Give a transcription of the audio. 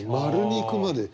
「。」に行くまで。